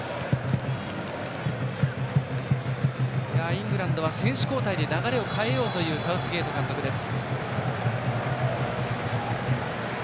イングランド、選手交代で流れを変えようというサウスゲート監督です。